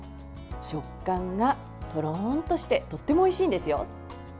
食感がとろーんとしてとてもおいしいんですよ。